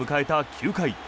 ９回。